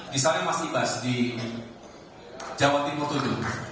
misalnya mas ibas di jawa timur ini